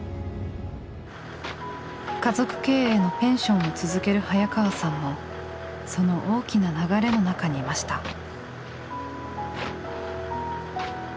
家族経営のペンションを続ける早川さんもその大きな流れの中にいました。